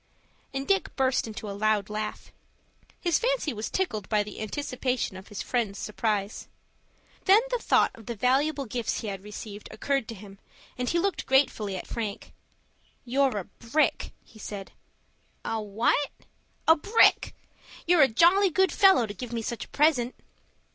and Dick burst into a loud laugh. His fancy was tickled by the anticipation of his friend's surprise. Then the thought of the valuable gifts he had received occurred to him, and he looked gratefully at Frank. "You're a brick," he said. "A what?" "A brick! You're a jolly good fellow to give me such a present."